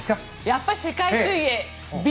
やっぱり世界水泳Ｂ